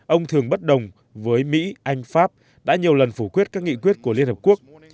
ông thường bất đồng với mỹ anh pháp đã nhiều lần phủ quyết các nghị quyết của liên hợp quốc